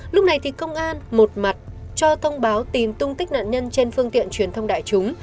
lúc này thì công an một mặt cho thông báo tìm tung tích nạn nhân trên phương tiện truyền thông đại chúng